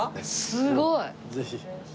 すごい。